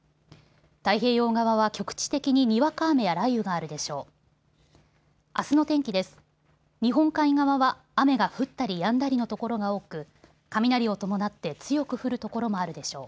太平洋側は局地的ににわか雨や雷雨があるでしょう。